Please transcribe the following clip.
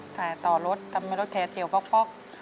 สายต่อรถทำให้รถแท้เตี๋ยป๊อก